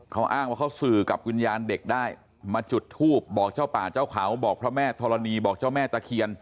เขาอ้างว่าเขาสื่อกับวิญญาณเด็กได้มาจุดทูบบอกเจ้าป่าเจ้าเขาบอกพระแม่ธรณีบอกเจ้าแม่ตะเคียน